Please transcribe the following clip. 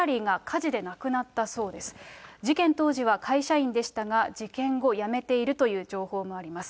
事件当時は会社員でしたが、事件後、辞めているという情報もあります。